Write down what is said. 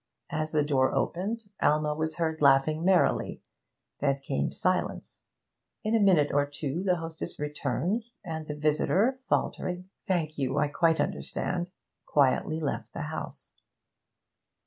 As the door opened Alma was heard laughing merrily; then came silence. In a minute or two the hostess returned and the visitor, faltering, 'Thank you. I quite understand,' quietly left the house.